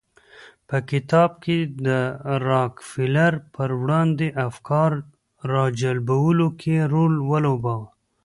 په کتاب کې د راکفیلر پر وړاندې افکار راجلبولو کې رول ولوباوه.